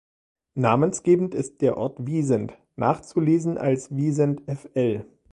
Namensgebend ist der Ort Wiesent, nachzulesen als "Wisent fl.